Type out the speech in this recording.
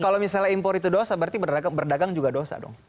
kalau misalnya impor itu dosa berarti berdagang juga dosa dong